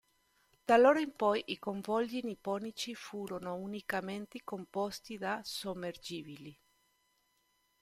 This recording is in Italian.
Da allora in poi i convogli nipponici furono unicamente composti da sommergibili.